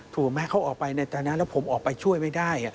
ถูกไหมเขาออกไปในตอนนั้นแล้วผมออกไปช่วยไม่ได้